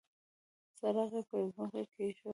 څراغ يې پر ځمکه کېښود.